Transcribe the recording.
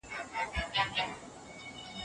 ولي د ملي ګټو ساتنه د دیپلوماتانو دنده ده؟